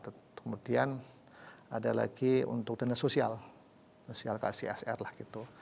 kemudian ada lagi untuk dana sosial kcsr lah gitu